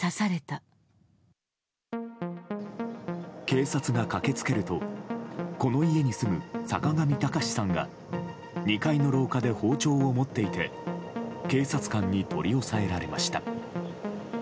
警察が駆け付けるとこの家に住む坂上卓さんが２階の廊下で包丁を持っていて警察官に取り押さえられました。